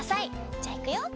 じゃあいくよ。